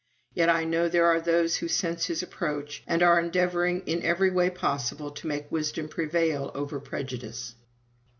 Yet I know there are those who sense his approach, and are endeavoring in every way possible to make wisdom prevail over prejudice.